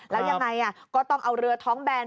แล้วยังไงก็ต้องเอาเรือท้องแบน